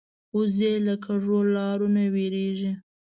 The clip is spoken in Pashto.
وزې له کږو لارو نه وېرېږي